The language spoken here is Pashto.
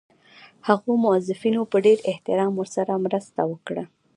هغو موظفینو په ډېر احترام ورسره مرسته وکړه.